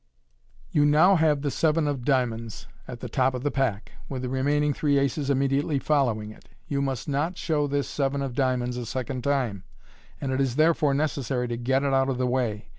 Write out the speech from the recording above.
You now have the seven of diamonds at the top of the pack, with the remaining three aces immediately following it. You must not show this seven of diamonds a second time, and it is therefore necessary to get it out of the way.